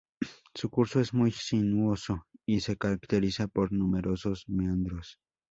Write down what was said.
Su curso es muy sinuoso y se caracteriza por numerosos meandros.